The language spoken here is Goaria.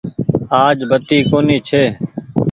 آج بتي ڪونيٚ ڇي۔